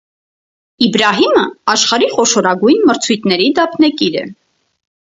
Իբրահիմը աշխարհի խոշորագույն մրցույթների դափնեկիր է։